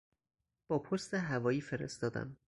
با پست هوایی فرستادم.